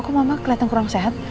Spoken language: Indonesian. aku mama kelihatan kurang sehat